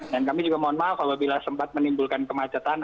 dan kami juga mohon maaf kalau bila sempat menimbulkan kemacetan